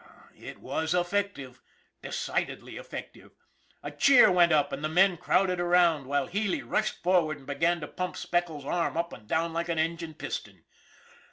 It was effective decidedly effective! A cheer went up, and the men crowded around, while Healy rushed forward and began to pump Speckles' arm up and down like an engine piston.